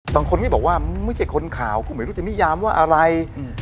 บางคนก็บอกว่าไม่ใช่คนข่าวกูไม่รู้จะนิยามว่าอะไร